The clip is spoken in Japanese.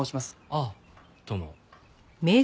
あっどうも。